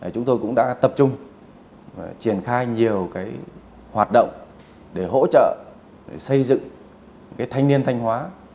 chúng tôi cũng đã tập trung triển khai nhiều hoạt động để hỗ trợ xây dựng thanh niên thanh hóa